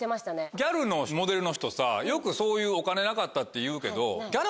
ギャルのモデルの人よくお金なかったって言うけど。